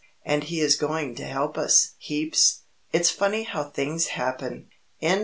And he is going to help us heaps. It's funny how things happen." CHAPTER VII.